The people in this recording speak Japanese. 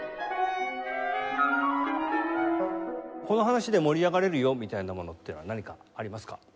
この話で盛り上がれるよみたいなものっていうのは何かありますか？